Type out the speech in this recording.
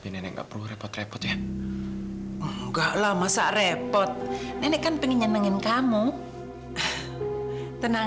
nenek yakin kesananya akan berkembang